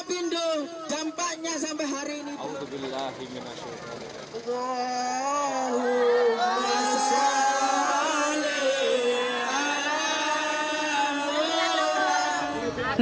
alhamdulillah bimbingan syukur